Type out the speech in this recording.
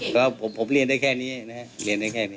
ก็ผมเรียนได้แค่นี้นะครับเรียนได้แค่นี้